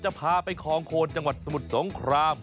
พาไปคลองโคนจังหวัดสมุทรสงคราม